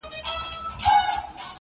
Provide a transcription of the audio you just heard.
o هر څوک له خپله سره اور وژني٫